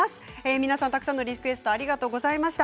皆さん、たくさんのリクエストありがとうございました。